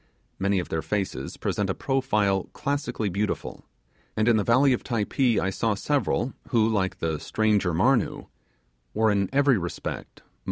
Many of their faces present profiles classically beautiful, and in the valley of Typee I saw several who, like the stranger Marnoo, were in every respect models of beauty.